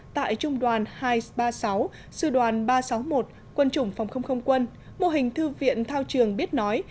tại trung đoàn hai trăm ba mươi sáu sư đoàn ba trăm sáu mươi một quân chủng phòng không không quân mô hình thư viện thao trường biết nói